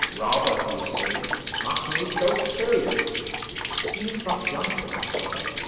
'Robert, you see, must needs go to sea.' 'He is much younger than his brother?'